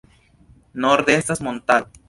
Norde estas montaro.